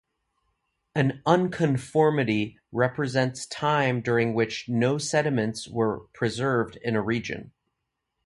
An unconformity represents time during which no sediments were preserved in a region.